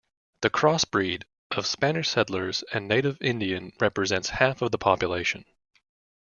The cross-breed of Spanish settlers and native Indian represents half of the population.